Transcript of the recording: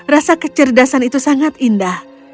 rasa kecerdasan itu sangat indah